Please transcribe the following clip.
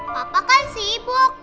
papa kan sibuk